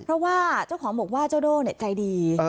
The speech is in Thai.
เพราะว่าเจ้าของบอกว่าเจ้าโด่ใจดี